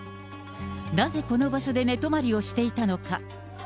なぜこの場所で寝泊りをしていたのか。